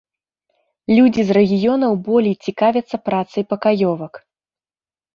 Людзі з рэгіёнаў болей цікавяцца працай пакаёвак.